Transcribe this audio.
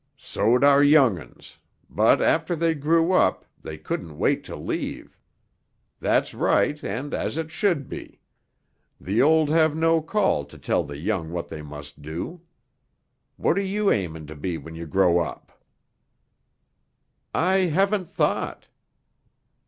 "So'd our young'uns, but after they grew up, they couldn't wait to leave. That's right and as it should be; the old have no call to tell the young what they must do. What are you aiming to be when you grow up?" "I haven't thought."